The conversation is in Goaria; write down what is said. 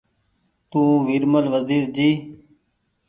تو ويرمل وزير جي